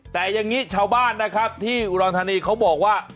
แต่อย่างนี้ชาวบ้านนะครับที่อุดรธานีเขาบอกว่า